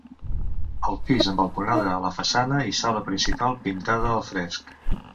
El pis amb balconada a la façana i sala principal pintada al fresc.